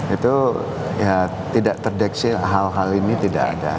itu ya tidak terdeksi hal hal ini tidak ada